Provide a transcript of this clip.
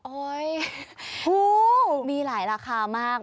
โอ๊ยมีหลายราคามาก